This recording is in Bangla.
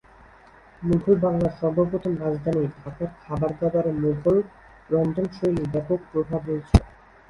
মুঘল বাংলার সর্বপ্রথম রাজধানী ঢাকার খাবার-দাবারে মুঘল রন্ধনশৈলীর ব্যাপক প্রভাব রয়েছে।